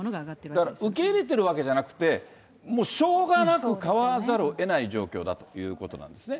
だから受け入れてるわけじゃなくて、もうしょうがなく買わざるをえない状況だということなんですね。